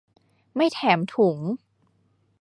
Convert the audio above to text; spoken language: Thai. ไม่แถมถุง